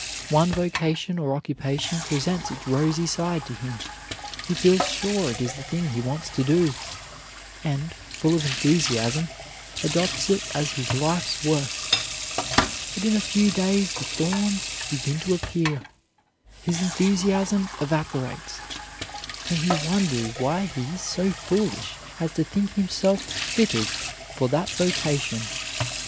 One vocation or occupation presents its rosy side to him, he feels sure it is the thing he wants to do, and, full of enthusiasm, adopts it as his life's work. But in a few days the thorns begin to appear, his enthusiasm evaporates, and he wonders why he is so foolish as to think himself fitted for that vocation.